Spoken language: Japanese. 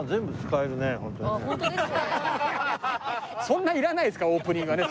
そんないらないですからオープニングはね。